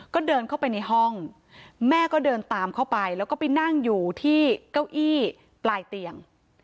ก็เดินเข้าไปในห้องแม่ก็เดินตามเข้าไปแล้วก็ไปนั่งอยู่ที่เก้าอี้ปลายเตียง